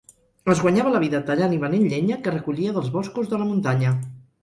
Es guanyava la vida tallant i venent llenya que recollia dels boscos de la muntanya.